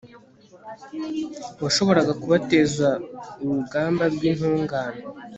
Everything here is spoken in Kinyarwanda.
washoboraga kubateza urugamba rw'intungane